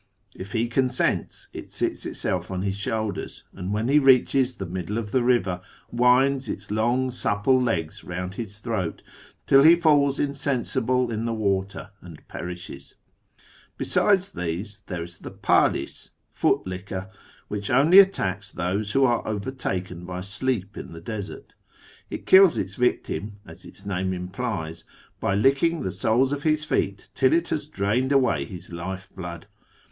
If he consents, it ^cats itself on his shoulders, and, when he reaches the niddle of the river, winds its long supple legs round his throat ill he falls insensible in the water and perishes. Besides these, there is the 2jd Us (" Foot licker "), which »nly attacks those who are overtaken by sleep in the desert. t kills its victim, as its name implies, by licking the soles of lis feet till it has drained away his life blood.